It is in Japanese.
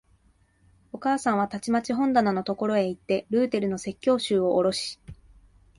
お母さんはたちまち本棚のところへいって、ルーテルの説教集をおろし、